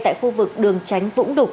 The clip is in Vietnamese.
tại khu vực đường tránh vũng đục